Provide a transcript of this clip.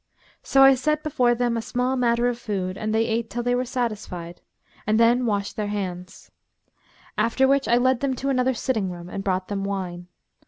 So I set before them a small matter of food and they ate till they were satisfied and then washed their hands; after which I led them to another sitting room and brought them wine.